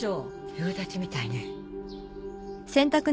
夕立みたいね